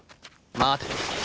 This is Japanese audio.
待て！